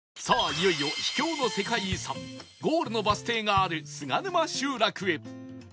いよいよ秘境の世界遺産ゴールのバス停がある菅沼集落へ